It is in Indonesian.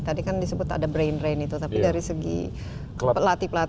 tadi kan disebut ada brain drain itu tapi dari segi latih latih yang